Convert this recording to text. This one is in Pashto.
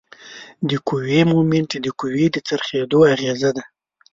د قوې مومنټ د قوې د څرخیدو اغیزه ده.